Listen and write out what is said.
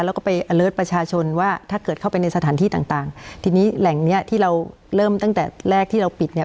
แล้วก็ไปอเลิศประชาชนว่าถ้าเกิดเข้าไปในสถานที่ต่างต่างทีนี้แหล่งเนี้ยที่เราเริ่มตั้งแต่แรกที่เราปิดเนี่ย